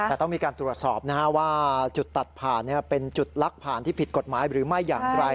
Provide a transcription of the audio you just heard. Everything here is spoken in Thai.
แต่ต้องมีการตรวจสอบว่าจุดตัดผ่านเป็นจุดลักผ่านที่ผิดกฎหมายหรือไม่อย่างไร